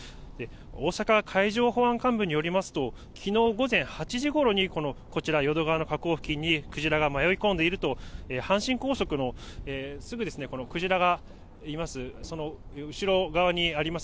大阪海上保安監部によりますと、きのう午前８時ごろにこちら淀川の河口付近にクジラが迷い込んでいると、阪神高速の、すぐですね、クジラがいます、その後ろ側にあります